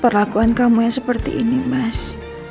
perlakuan kamu yang seperti ini mas